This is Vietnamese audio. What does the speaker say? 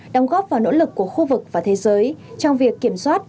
đóng góp vào nỗ lực của khu vực và thế giới trong việc kiểm soát